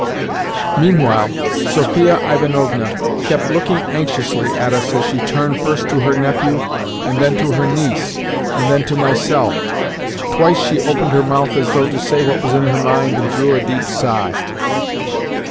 Meanwhile Sophia Ivanovna kept looking anxiously at us as she turned first to her nephew, and then to her niece, and then to myself. Twice she opened her mouth as though to say what was in her mind and drew a deep sigh.